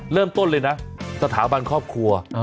เริ่มต้นเลยนะสถาบันครอบครัว